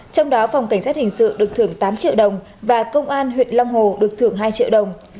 trong đó phòng cảnh sát hình sự được thưởng tám triệu đồng và công an huyện long hồ được thưởng hai triệu đồng